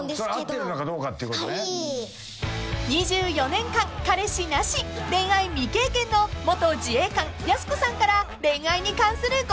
［２４年間彼氏なし恋愛未経験の元自衛官やす子さんから恋愛に関するご相談です］